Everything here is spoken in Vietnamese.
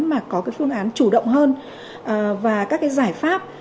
mà có phương án chủ động hơn và các giải pháp